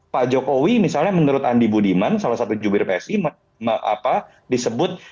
pak jokowi misalnya menurut andi budiman salah satu jubir psi disebut